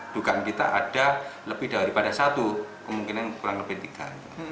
dugaan kita ada lebih daripada satu kemungkinan kurang lebih tiga